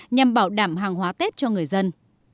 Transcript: nhằm bảo đảm hàng hóa tết cho người dân